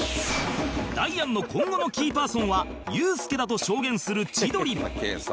ダイアンの今後のキーパーソンはユースケだと証言する千鳥